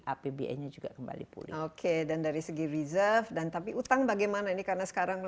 apbn nya juga kembali pun oke dan dari segi reserve dan tapi utang bagaimana ini karena sekarang